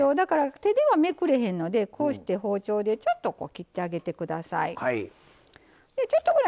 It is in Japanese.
手ではめくれへんので包丁でちょっと切ってあげてください。